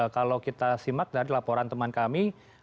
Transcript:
kalau kita simak dari laporan teman kami